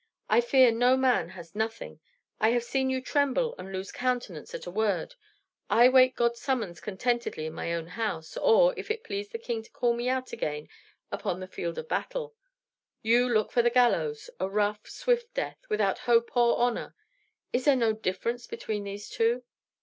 I fear no man and nothing; I have seen you tremble and lose countenance at a word. I wait God's summons contentedly in my own house, or, if it please the king to call me out again, upon the field of battle. You look for the gallows; a rough, swift death, without hope or honor. Is there no difference between these two?"